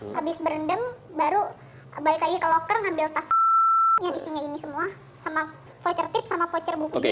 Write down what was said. habis berendam baru bayi ke loker mostly ini semua sama voucher tips sama poanger